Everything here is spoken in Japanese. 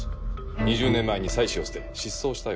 ２０年前に妻子を捨て失踪したようだ。